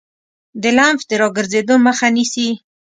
د لمف د راګرځیدو مخه نیسي.